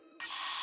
あ！